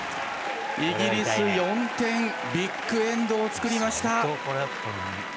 イギリス、４点ビッグエンドを作りました。